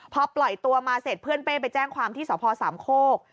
พอปล่อยตัวมาเสร็จเพื่อนเป้ไปแจ้งความที่สพสามโคก